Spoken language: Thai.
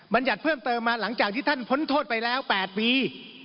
ยัติเพิ่มเติมมาหลังจากที่ท่านพ้นโทษไปแล้ว๘ปี